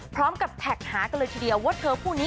พร้อมกับแทกหากันเลยทีเดียวว่า